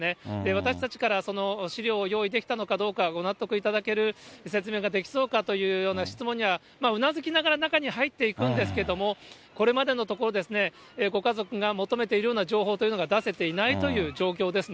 私たちからその資料を用意できたのかどうか、ご納得いただける説明ができそうかというような質問には、うなずきながら、中に入っていくんですけども、これまでのところ、ご家族が求めているような情報というのが、分かりました。